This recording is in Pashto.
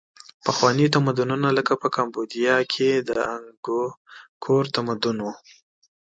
پخواني تمدنونه لکه په کامبودیا کې د انګکور تمدن و.